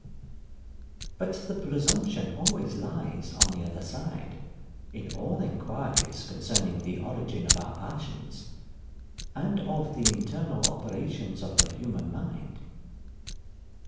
But the presumption always lies on the other side, in all enquiries concerning the origin of our passions, and of the internal operations of the human mind.